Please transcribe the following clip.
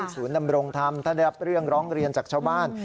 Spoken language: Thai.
ศูนย์ดำรงธรรมท่านได้รับเรื่องร้องเรียนจากชาวบ้าน